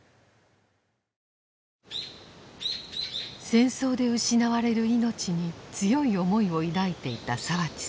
戦争で失われる命に強い思いを抱いていた澤地さん。